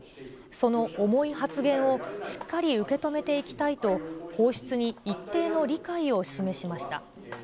その重い発言をしっかり受け止めていきたいと放出に一定の理解を示しました。